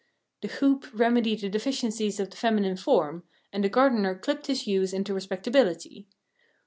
The hoop remedied the deficiencies of the feminine form, and the gardener clipped his yews into respectability.